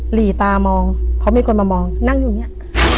หลีตามองเพราะมีคนมามองนั่งอยู่อย่างนี้